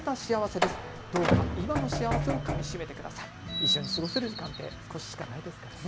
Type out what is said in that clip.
一緒に過ごせる時間って少ししかないですからね。